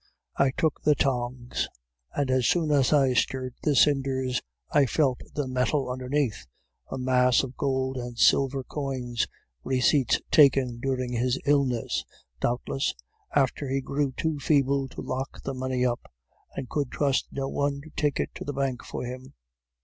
I took the tongs, and as soon as I stirred the cinders, I felt the metal underneath, a mass of gold and silver coins, receipts taken during his illness, doubtless, after he grew too feeble to lock the money up, and could trust no one to take it to the bank for him.